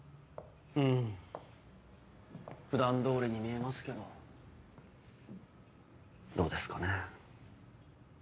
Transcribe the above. うん普段通りに見えますけどどうですかね。